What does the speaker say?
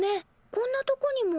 こんなとこにも。